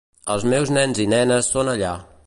El meus nens i nenes són allà.